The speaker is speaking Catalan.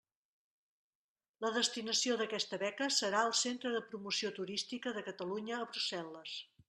La destinació d'aquesta beca serà el Centre de Promoció Turística de Catalunya a Brussel·les.